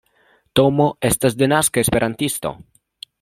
Tomo estas denaska Esperantisto.